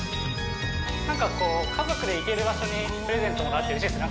なんかこう家族で行ける場所にプレゼントもらうって嬉しいですね